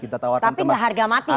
tapi gak harga mati ya